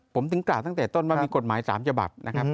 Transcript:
ผมถึงกล่าวตั้งแต่ต้นว่ามีกฎหมาย๓ฉบับนะครับ